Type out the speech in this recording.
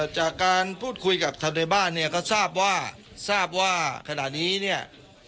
จากการพูดคุยกับทางในบ้านเนี่ยก็ทราบว่าทราบว่าขณะนี้เนี่ย